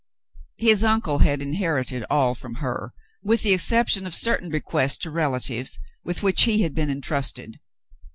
His uncle had inherited all from her with the exception of certain bequests to relatives with which he had been intrusted.